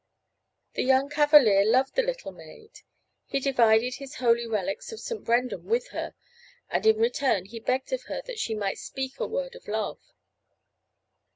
The young cavalier loved the little maid. He divided his holy relics of St. Brendan with her, and in return he begged of her that she might speak a word of love.